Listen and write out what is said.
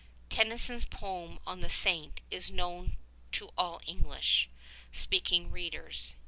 Tennyson's poem on the Saint is known to all English speaking readers.